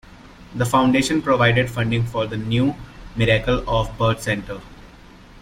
The foundation provided funding for the new Miracle of Birth center.